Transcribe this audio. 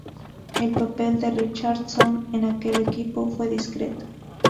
El papel de Richardson en aquel equipo fue discreto.